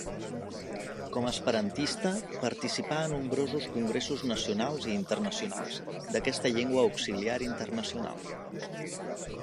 Com a esperantista, participà a nombrosos congressos nacionals i internacionals d'aquesta llengua auxiliar internacional.